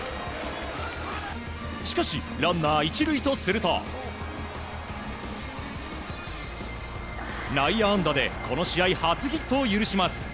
しかし、ランナー１塁とすると内野安打でこの試合初ヒットを許します。